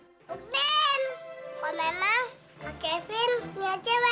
tukdin kok memang kak kevin punya cewek